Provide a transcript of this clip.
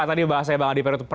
tadi bahasanya bang adi periode